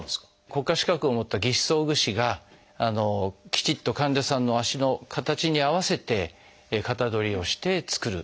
国家資格を持った義肢装具士がきちっと患者さんの足の形に合わせて型取りをして作る。